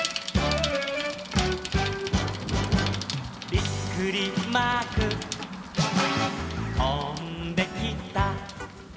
「びっくりマークとんできた」